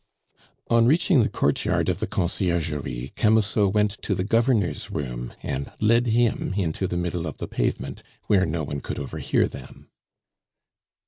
On reaching the courtyard of the Conciergerie, Camusot went to the Governor's room and led him into the middle of the pavement, where no one could overhear them.